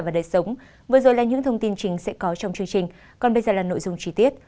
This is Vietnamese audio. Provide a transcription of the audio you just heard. vừa rồi là những thông tin chính sẽ có trong chương trình còn bây giờ là nội dung trí tiết